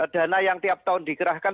dana yang tiap tahun dikerahkan